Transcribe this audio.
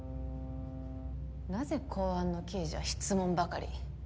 なぜ公安の刑事は質問ばかり。